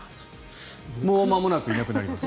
もうまもなくいなくなります。